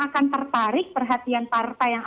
akan tertarik perhatian partai yang